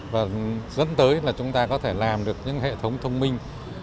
và dẫn tới là chúng ta có thể làm được những hệ thống thông minh